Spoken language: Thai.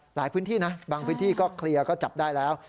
หลายพื้นที่นะบางพื้นที่ก็เคลียร์ก็จับได้แล้ว